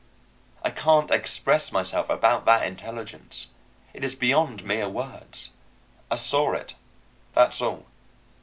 I can't express myself about that intelligence. It is beyond mere words. I saw it, that's all.